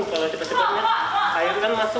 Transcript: kepala cetho memang mengeringkan di bagian kepala ya